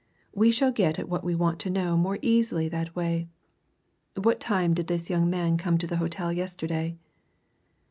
"We shall get at what we want to know more easily that way. What time did this young man come to the hotel yesterday?"